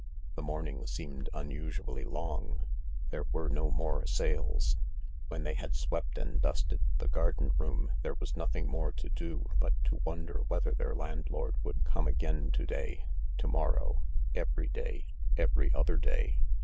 The morning seemed unusually long ; there were no more sales. When they had swept and dusted the garden room K 146 THE LARK there was nothing more to do but to wonder whether their landlord would come again to day, to morrow, every day, every other day.